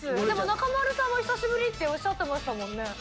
でも中丸さんも久しぶりっておっしゃってましたもんね。